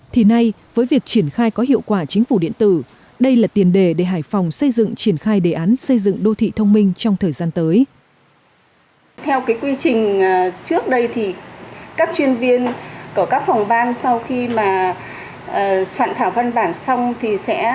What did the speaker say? thì nay với việc triển khai có hiệu quả chính phủ điện tử đây là tiền đề để hải phòng xây dựng triển khai đề án xây dựng đô thị thông minh trong thời gian tới